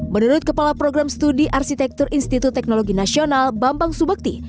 menurut kepala program studi arsitektur institut teknologi nasional bambang subakti